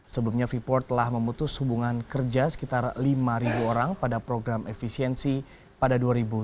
sebelumnya freeport telah memutus hubungan kerja sekitar lima orang pada program efisiensi pada dua ribu tujuh belas